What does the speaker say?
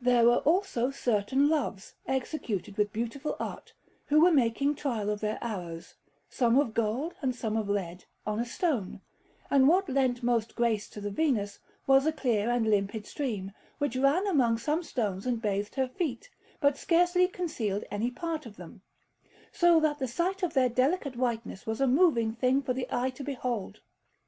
There were also certain Loves, executed with beautiful art, who were making trial of their arrows, some of gold and some of lead, on a stone; and what lent most grace to the Venus was a clear and limpid stream, which ran among some stones and bathed her feet, but scarcely concealed any part of them, so that the sight of their delicate whiteness was a moving thing for the eye to behold.